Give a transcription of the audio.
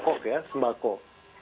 barang kebun barang kebun barang kebun